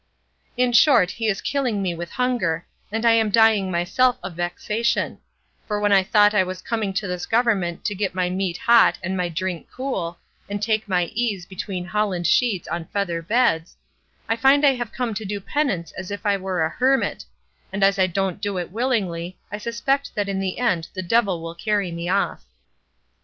In short he is killing me with hunger, and I am dying myself of vexation; for when I thought I was coming to this government to get my meat hot and my drink cool, and take my ease between holland sheets on feather beds, I find I have come to do penance as if I was a hermit; and as I don't do it willingly I suspect that in the end the devil will carry me off.